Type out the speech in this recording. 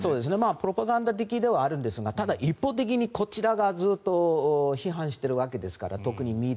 プロパガンダ的ではあるんですがただ、一方的にこちらがずっと批判しているわけですから。